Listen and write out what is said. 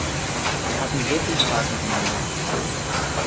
Wir hatten so viel Spaß miteinander.